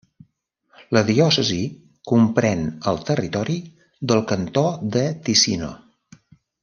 La diòcesi comprèn el territori del Cantó de Ticino.